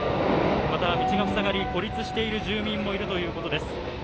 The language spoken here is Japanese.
また道が塞がれ孤立している住民もいるということです